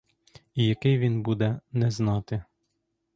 І який він буде — не знати.